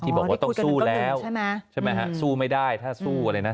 ที่บอกว่าต้องสู้แล้วสู้ไม่ได้ถ้าสู้อะไรนะ